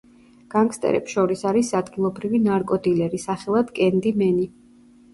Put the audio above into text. განგსტერებს შორის არის ადგილობრივი ნარკოდილერი, სახელად „კენდი მენი“.